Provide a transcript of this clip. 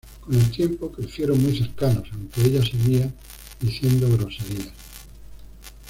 Con el tiempo, crecieron muy cercanos, aunque ella seguía diciendo groserías.